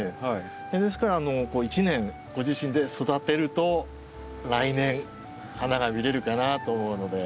ですから１年ご自身で育てると来年花が見れるかなと思うので。